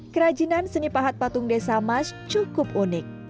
kerajinan seni pahat patung desa mas cukup unik